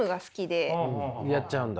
やっちゃうんだ？